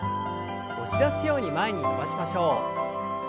押し出すように前に伸ばしましょう。